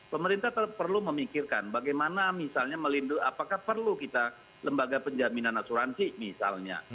pemerintah perlu memikirkan bagaimana misalnya melindungi apakah perlu kita lembaga penjaminan asuransi misalnya